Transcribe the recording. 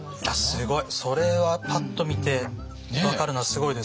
すごい。それはパッと見て分かるのはすごいです。